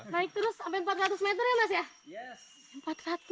naik terus sampai empat ratus meter ya mas ya